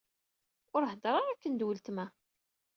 Ur hedder ara akken d uletma.